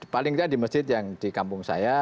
paling tidak di masjid yang di kampung saya